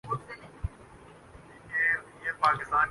جیسے ان کی طاقت لامحدود ہو گئی ہے۔